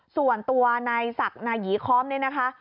ส่วนตัวนายศักดิ์นายีค้อมเนี่ยนะคะ